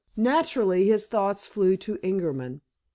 Naturally, his thoughts flew to Ingerman.